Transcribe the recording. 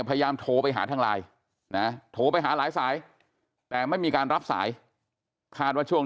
พยายามโทรไปหาทางไลน์นะโทรไปหาหลายสายแต่ไม่มีการรับสายคาดว่าช่วง